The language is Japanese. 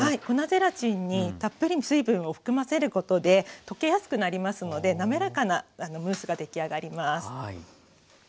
粉ゼラチンにたっぷりの水分を含ませることで溶けやすくなりますのでなめらかなムースが出来上がります。